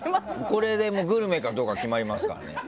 これでグルメかどうか決まりますからね。